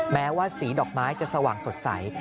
แม้ว่าสีดอกไม้จะสว่างสดใส